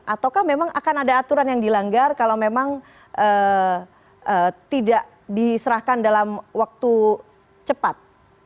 ataukah memang akan ada aturan yang dilanggar kalau memang tidak diserahkan dalam waktu cepat